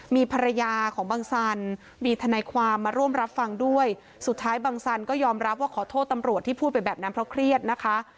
มีภรรยาของบังสันมีทนายความมาร่วมรับฟังด้วยสุดท้ายบังสันก็ยอมรับว่าขอโทษตำรวจที่พูดไปแบบนั้นเพราะเครียดนะคะ